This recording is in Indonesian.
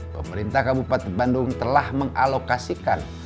pemerintah kabupaten bandung telah mengalokasikan